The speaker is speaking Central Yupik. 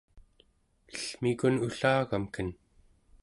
ellmikun ullagamken